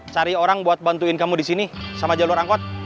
cari orang buat bantuin kamu disini sama jalur angkot